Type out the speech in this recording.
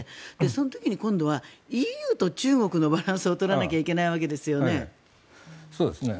その時に今度はＥＵと中国のバランスを取らないといけないわけですよね。